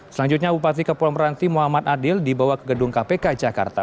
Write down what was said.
selanjutnya bupati kepulau meranti muhammad adil dibawa ke gedung kpk jakarta